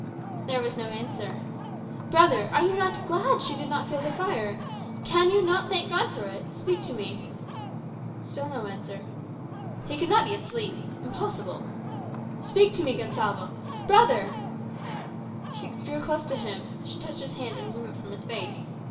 There was no answer. "Brother, are you not glad she did not feel the fire? Can you not thank God for it? Speak to me." Still no answer. He could not be asleep! Impossible! "Speak to me, Gonsalvo! Brother!" She drew close to him; she touched his hand to remove it from his face.